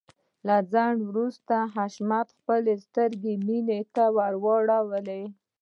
له لږ ځنډ وروسته حشمتي خپلې سترګې مينې ته واړولې.